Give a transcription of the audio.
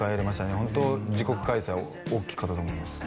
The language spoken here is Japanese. ホント自国開催大きかったと思います